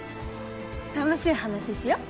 楽しい話しよう。